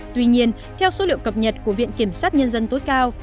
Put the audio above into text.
tuy nhiên theo số liệu cập nhật của viện kiểm sát nhân dân tối cao